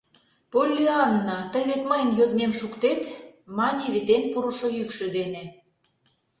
— Поллианна, тый вет мыйын йодмем шуктет? — мане витен пурышо йӱкшӧ дене.